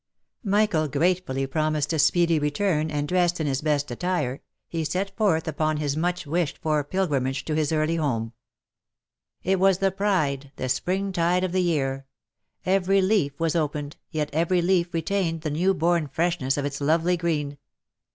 Michael gratefully promised a speedy return, and dressed in his best attire, he set forth upon his much wished for pilgrimage to his early home. " It was the pride, the spring tide of the year," every leaf was x 306 THE LIFE AND ADVENTURES opened, yet every leaf retained the new born freshness of its lovely green.